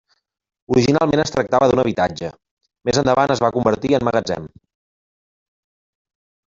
Originalment es tractava d'un habitatge, més endavant es va convertir en magatzem.